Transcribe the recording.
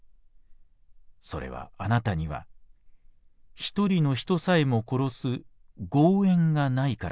それはあなたには一人の人さえも殺す『業縁』がないからなのです。